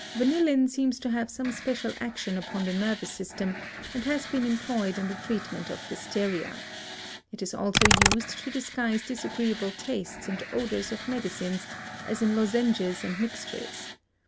Vanillin seems to have some special action upon the nervous system, and has been employed in the treatment of hysteria. It is also used to disguise disagreeable tastes and odors of medicines, as in lozenges and mixtures.